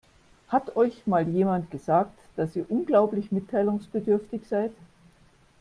Hat euch mal jemand gesagt, dass ihr unglaublich mitteilungsbedürftig seid?